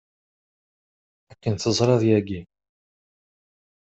Akken teẓriḍ yagi.